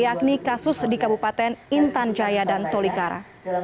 yakni kasus di kabupaten intan jaya dan tolikara